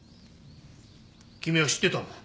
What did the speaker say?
君は知ってたのか？